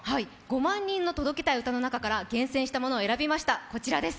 「５万人の届けたい歌」の中から厳選したものを選びました。